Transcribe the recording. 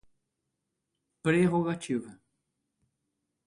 prerrogativa